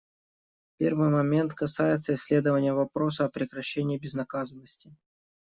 Первый момент касается исследования вопроса о прекращении безнаказанности.